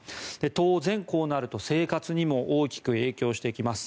当然、こうなると生活にも大きく影響してきます。